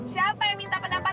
siapa yang minta pendapat